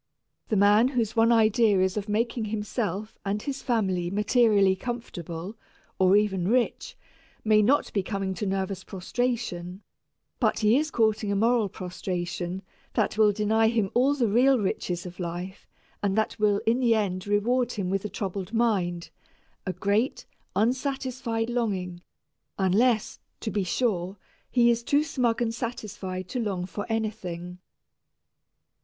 The man whose one idea is of making himself and his family materially comfortable, or even rich, may not be coming to nervous prostration, but he is courting a moral prostration that will deny him all the real riches of life and that will in the end reward him with a troubled mind, a great, unsatisfied longing, unless, to be sure, he is too smug and satisfied to long for anything.